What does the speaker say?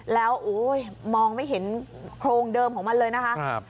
แล้วมองไม่เห็นโครงเดิมของมันเลยนะคะ